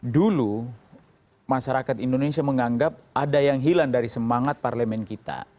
dulu masyarakat indonesia menganggap ada yang hilang dari semangat parlemen kita